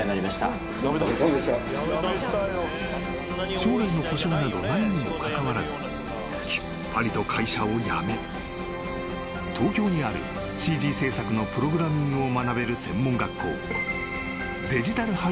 ［将来の保証などないにもかかわらずきっぱりと会社を辞め東京にあるＣＧ制作のプログラミングを学べる専門学校］